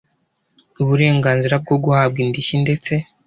uburenganzira bwo guhabwa indishyi ndetse